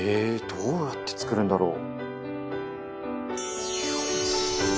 どうやって作るんだろう。